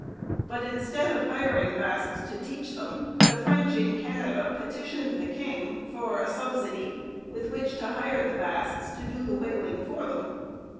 But, instead of hiring Basques to teach them, the French in Canada petitioned the king for a subsidy with which to hire the Basques to do the whaling for them.